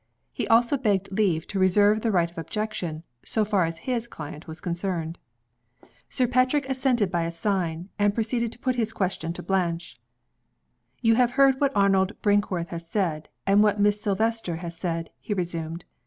He also begged leave to reserve the right of objection, so far as his client was concerned. Sir Patrick assented by a sign, and proceeded to put his question to Blanche. "You have heard what Arnold Brinkworth has said, and what Miss Silvester has said," he resumed.